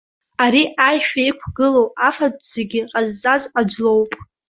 Ари аишәа иқәгылоу афатә зегьы ҟазҵаз аӡә лоуп.